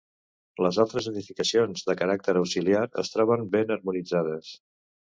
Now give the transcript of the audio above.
Les altres edificacions, de caràcter auxiliar es troben ben harmonitzades.